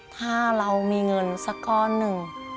ถ้าเรามีเงินสักก้อนหนึ่ง